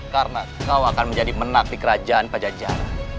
karena kau akan menjadi menaklik kerajaan pada jahat